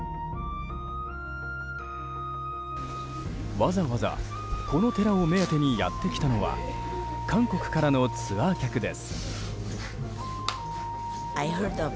わざわざ、この寺を目当てにやってきたのは韓国からのツアー客です。